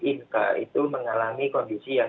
inka itu mengalami kondisi yang